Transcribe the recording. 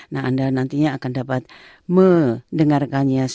nah anda nantinya akan dapat mendengarkannya